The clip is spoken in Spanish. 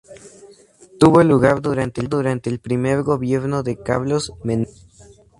Tuvo lugar durante el primer gobierno de Carlos Menem.